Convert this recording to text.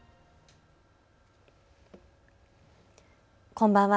こんばんは。